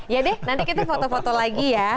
yadeh nanti kita foto foto lagi ya